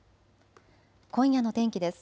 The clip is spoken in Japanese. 今夜の天気です。